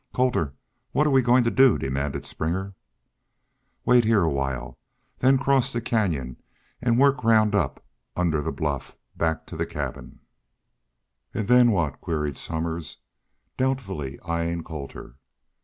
"Colter, what 're we goin' to do?" demanded Springer. "Wait heah a while then cross the canyon an' work round up under the bluff, back to the cabin." "An' then what?" queried Somers, doubtfully eying Colter.